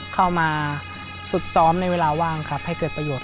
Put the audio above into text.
เข้ามาฝึกซ้อมในเวลาว่างครับให้เกิดประโยชน